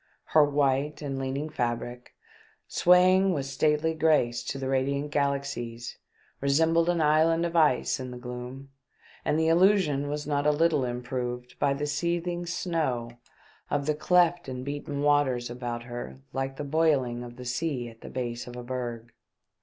Her white and leaning fabric, swaying with stately grace to the radiant galaxies, resembled an island of ice in the gloom, and the illusion was not a little improved by the seething snow of the cleft 362 THE DEATH SHIP. and beaten waters about her like to the boil ing of the sea at the base of a berg.